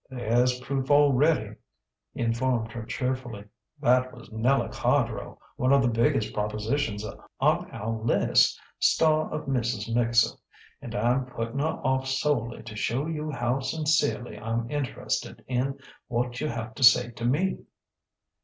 "There's proof already," he informed her cheerfully. "That was Nella Cardrow one of the biggest propositions on our list star of 'Mrs. Mixer.' And I'm putting her off solely to show you how sincerely I'm interested in what you have to say to me."